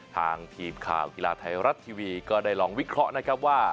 ทางทีมข่าวกีฬาไทยรัฐทีวีก็ได้ลองวิเคราะห์นะครับว่า